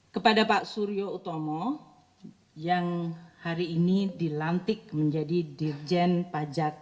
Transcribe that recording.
kepada pak suryo utomo yang hari ini dilantik menjadi dirjen pajak